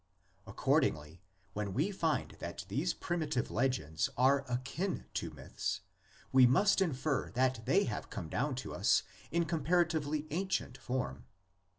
Accordingly, when we find that these primitive legends are akin to myths, we must infer that they have come down to us in comparatively ancient form.